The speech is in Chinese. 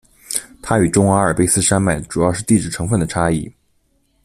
它与中阿尔卑斯山脉主要是地质成分的差异。